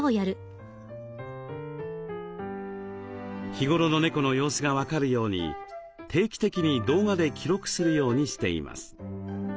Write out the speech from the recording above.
日頃の猫の様子が分かるように定期的に動画で記録するようにしています。